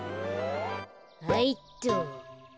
はいっと。